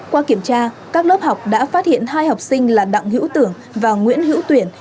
qua kiểm tra các lớp học đã phát hiện hai học sinh là đặng hữu tưởng và nguyễn hữu tuyển